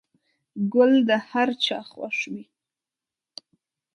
گل د هر چا خوښ وي.